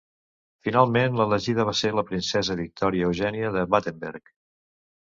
Finalment l'elegida va ser la princesa Victòria Eugènia de Battenberg.